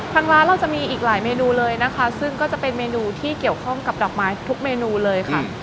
ทางร้านเราจะมีอีกหลายเมนูเลยนะคะซึ่งก็จะเป็นเมนูที่เกี่ยวข้องกับดอกไม้ทุกเมนูเลยค่ะ